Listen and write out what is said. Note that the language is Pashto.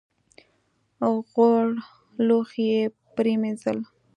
غوړ لوښي یې پرېمینځل .